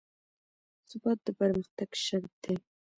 ثبات د پرمختګ شرط دی